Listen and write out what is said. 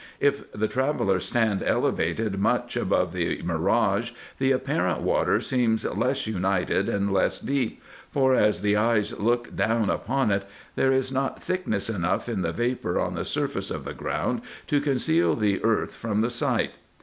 If the traveller stand elevated much above the mirage, the apparent water seems less united and less deep, for, as the eyes look down upon it, there is not thickness enough in the vapour on the surface of the ground to conceal the earth from the sight.